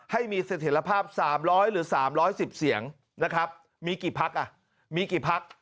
ให้มีเสถียรภาพ๓๐๐หรือ๓๑๐เสียงมีกี่พัก